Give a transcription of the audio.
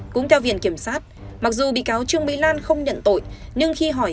cũng theo viện kiểm soát mặc dù bị cáo trương bị lan không nhận tội